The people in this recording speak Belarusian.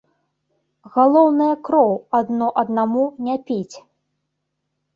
Галоўнае кроў адно аднаму не піць.